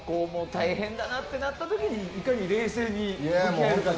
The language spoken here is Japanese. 大変だなとなった時にいかに冷静にできるかと。